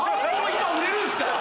今売れるんすか？